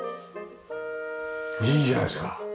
いいじゃないですか。